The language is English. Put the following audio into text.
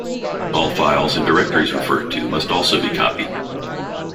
All files and directories referred to must also be copied.